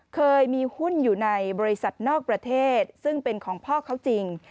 เคยมีหุ้นอยู่ในบริษัทนอกประเทศซึ่งเป็นของพ่อเขาจริง